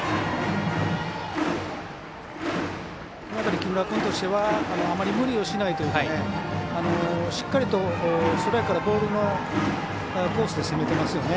木村君としてはあまり無理をしないというかしっかりと、ストライクからボールのコースで攻めてますよね。